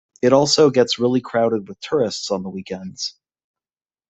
It is also gets really crowded with tourists on the weekends.